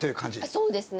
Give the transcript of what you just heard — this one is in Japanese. そうですね。